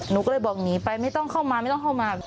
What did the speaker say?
หนูก็เลยบอกหนีไปไม่ต้องเข้ามาไม่ต้องเข้ามา